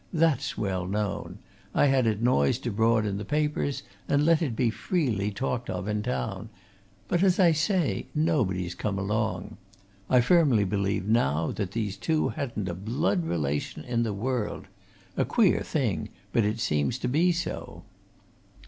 That's well known I had it noised abroad in the papers, and let it be freely talked of in town. But, as I say, nobody's come along. I firmly believe, now, that these two hadn't a blood relation in the world a queer thing, but it seems to be so."